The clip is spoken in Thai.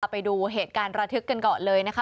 ไปดูเหตุการณ์ระทึกกันก่อนเลยนะคะ